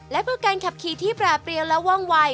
และเพื่อการขับขี่ที่แปรเปรี้ยวและว่องวัย